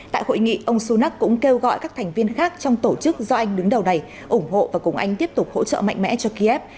tại hội nghị ông sunak cũng kêu gọi các thành viên khác trong tổ chức do anh đứng đầu này ủng hộ và cùng anh tiếp tục hỗ trợ mạnh mẽ cho kiev